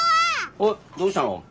おっどうしたの？